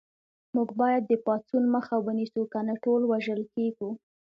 موږ باید د پاڅون مخه ونیسو کنه ټول وژل کېږو